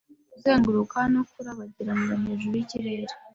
Kuzenguruka no kurabagirana hejuru yikirere